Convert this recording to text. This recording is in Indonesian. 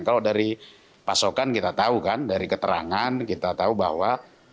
kalau dari pasokan kita tahu kan dari keterangan kita tahu bahwa